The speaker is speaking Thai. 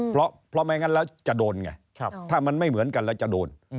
เพราะไม่งั้นแล้วจะโดนไงถ้ามันไม่เหมือนกันแล้วจะโดน